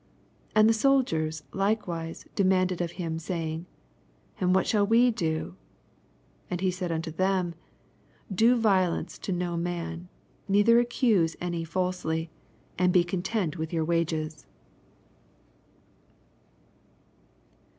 14 And the soldiers likewise de* manded of him, saying. And what shall we do? And he saia unto them, Do violence to no man, neither accuse any falsely ; and be content with your wages.